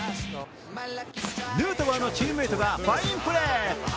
ヌートバーのチームメートがファインプレー。